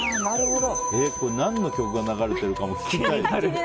これ何の曲が流れてるのかも聞きたい。